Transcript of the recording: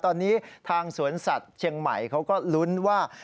ตอนนี้ทางสวนสัตว์เชียงใหม่เขาก็ลุ้นว่า